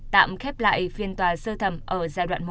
tạm khép lại phiên tòa sơ thẩm ở giai đoạn một